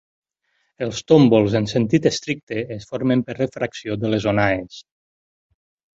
Els tómbols en sentit estricte es formen per refracció de les onades.